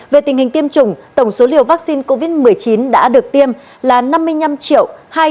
về tình hình tiêm chủng tổng số liều vaccine covid một mươi chín đã được tiêm là năm mươi năm hai trăm hai mươi chín một trăm hai mươi bốn liều